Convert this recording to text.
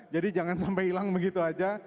jadi jangan sampai hilang begitu aja